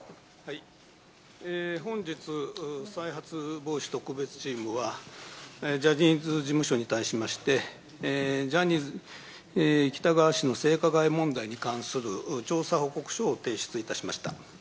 本日、再発防止特別チームは、ジャニーズ事務所に対しまして、ジャニー喜多川氏の性加害問題に関する調査報告書を提出いたしました。